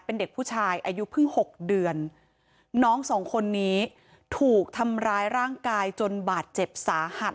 เป็นเด็กผู้ชายอายุเพิ่งหกเดือนน้องสองคนนี้ถูกทำร้ายร่างกายจนบาดเจ็บสาหัส